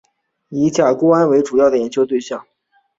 以甲钴胺为主要的研究对象。